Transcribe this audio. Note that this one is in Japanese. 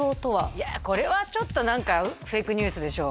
いやこれはちょっと何かフェイクニュースでしょ？